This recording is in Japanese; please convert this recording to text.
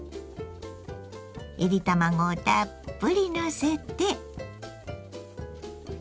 いり卵をたっぷりのせて。